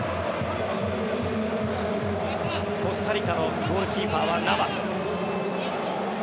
コスタリカのゴールキーパーはナバス。